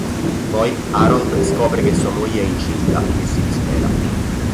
Poi Harold scopre che sua moglie è incinta e si dispera.